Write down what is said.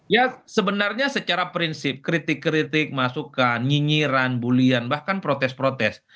ya sebenarnya secara prinsip kritik kritik masukan nyinyiran bulian bahkan protes protes